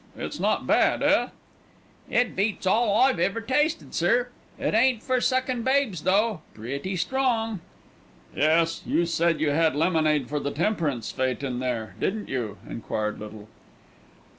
It's not bad, eh?" "It beats all I've ever tasted, sir. It ain't for suckin' babes, though. Pretty strong." "Yes; you said you had lemonade for the Temperance Fête in there, didn't you?" enquired Little.